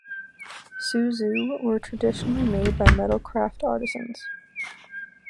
"Suzu" were traditionally made by metal craft artisans.